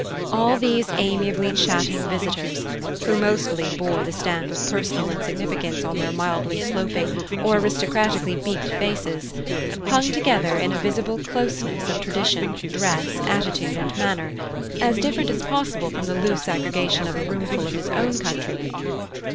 All these amiably chatting visitors, who mostly bore the stamp of personal insignificance on their mildly sloping or aristocratically beaked faces, hung together in a visible closeness of tradition, dress, attitude and manner, as different as possible from the loose aggregation of a roomful of his own countrymen.